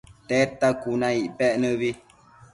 Tedta cuna icpec nëbi